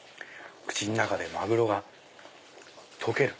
口の中でマグロが溶ける。